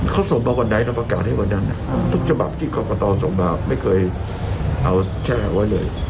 เขาส่งมาวันไหนต้องประกาศให้วันนั้นทุกจบับที่เขาก็ต้องส่งมาไม่เคยเอาแชร์ไว้เลย